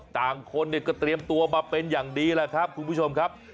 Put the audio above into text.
ต่างคนเนี่ยก็เตรียมตัวมาเป็นอย่างดีแหละครับคุณผู้ชมครับ